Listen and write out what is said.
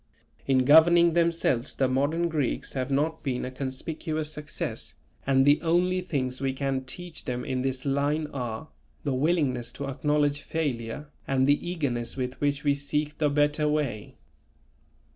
In governing themselves the modern Greeks have not been a conspicuous success, and the only things we can teach them in this line are, the willingness to acknowledge failure and the eagerness with which we seek the better way.